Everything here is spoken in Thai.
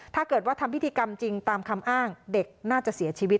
ถ้าเกิดว่าทำพิธีกรรมจริงตามคำอ้างเด็กน่าจะเสียชีวิต